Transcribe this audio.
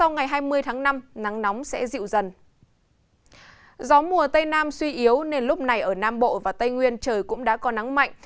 gió mùa tây nam suy yếu nên lúc này ở nam bộ và tây nguyên trời cũng đã có nắng mạnh